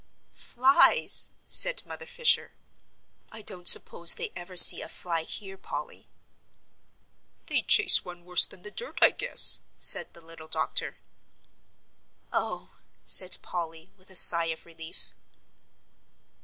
"Flies?" said Mother Fisher. "I don't suppose they ever see a fly here, Polly." "They'd chase one worse than the dirt, I guess," said the little doctor. "Oh," said Polly, with a sigh of relief.